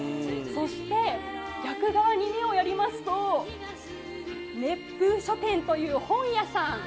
そして、逆側に目をやりますと、熱風書店という本屋さん。